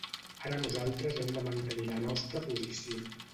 Ara nosaltres hem de mantenir la nostra posició.